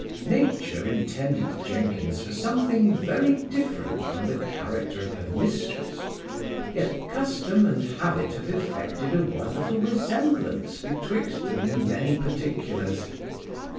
Nature intended Jenkins for something very different from the character of her mistress; yet custom and habit have effected a wonderful resemblance betwixt them in many particulars.